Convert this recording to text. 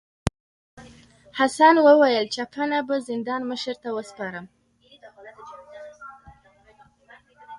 حسن وویل چپنه به زندان مشر ته وسپارم.